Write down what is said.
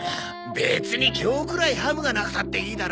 別に今日くらいハムがなくたっていいだろ。